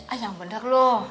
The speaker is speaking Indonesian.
ayang bener loh